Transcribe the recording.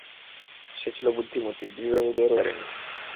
সে ছিল বুদ্ধিমতী, দৃঢ় হৃদয়ের অধিকারিণী।